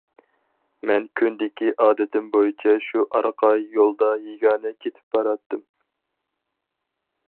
مەن كۈندىكى ئادىتىم بويىچە شۇ ئارقا يولدا يېگانە كېتىپ باراتتىم.